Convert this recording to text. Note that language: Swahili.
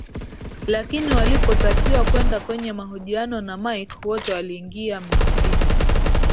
Lakini walipotakiwa kwenda kwenye mahojiano na Mike wote waliingia mitini